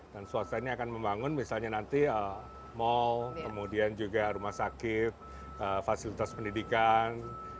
dan swasta ini akan membangun misalnya nanti mall kemudian juga rumah sakit fasilitas pendidikan